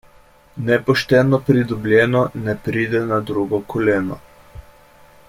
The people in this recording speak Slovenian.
Nepošteno pridobljeno ne pride na drugo koleno.